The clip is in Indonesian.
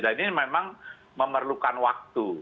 dan ini memang memerlukan waktu